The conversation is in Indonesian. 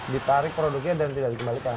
ditarik produknya dan tidak dikembalikan